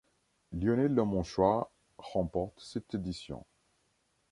Lionel Lemonchois remporte cette édition.